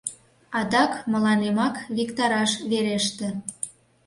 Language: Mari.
Адак мыланемак виктараш вереште.